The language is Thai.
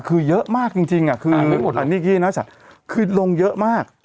คือเยอะมากจริงจริงอ่ะคืออันนี้นี่น่ะจ้ะคือลงเยอะมาก